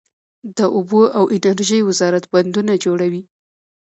د اوبو او انرژۍ وزارت بندونه جوړوي؟